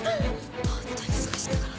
本当に忙しいんだから。